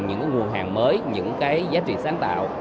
những nguồn hàng mới những giá trị sáng tạo